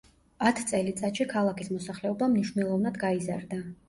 ათ წელიწადში ქალაქის მოსახლეობა მნიშვნელოვნად გაიზარდა.